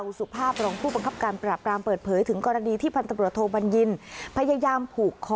คือคือคือคือคือคือ